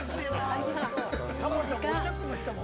タモリさんもおっしゃってましたもん。